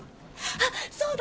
あっそうだ！